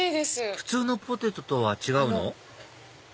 普通のポテトとは違うの？